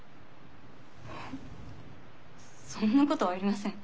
えっそんなことはありません。